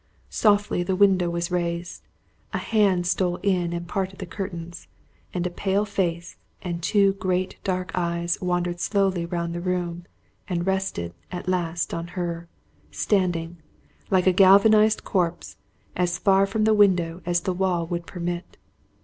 Softly the window was raised, a hand stole in and parted the curtains, and a pale face and two great dark eyes wandered slowly round the room, and rested at last on her, standing, like a galvanized corpse, as far from the window as the wall would permit.